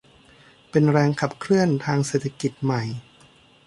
เป็นแรงขับเคลื่อนทางเศรษฐกิจใหม่